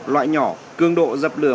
loại nhỏ cường độ dập lửa